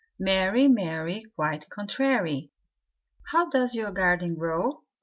"_Mary, Mary, quite contrary, How does your garden grow?"